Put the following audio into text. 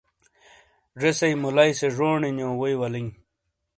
زیسئی مُلائی سے جونڈی نیو ووئی ولیں